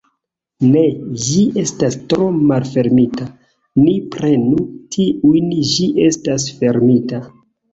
Ne, ĝi estas tro malfermita, ni prenu tiun, ĝi estas fermita.